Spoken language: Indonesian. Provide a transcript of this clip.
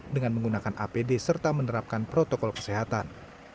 dengan menggunakan apd serta menerapkan protokol kesehatan